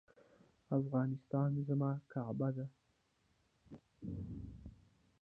افغانستان زما کعبه ده؟